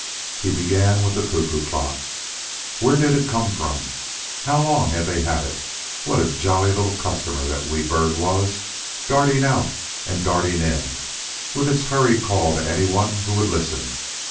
He began with the cuckoo clock. Where did it come from? How long had they had it? What a jolly little customer the wee bird was, darting out and darting in with his hurry call to anyone who would listen!